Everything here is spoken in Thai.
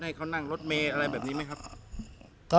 ให้เขานั่งรถเมย์อะไรแบบนี้ไหมครับ